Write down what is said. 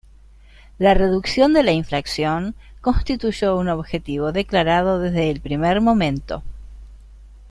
La reducción de la inflación constituyó un objetivo declarado desde el primer momento.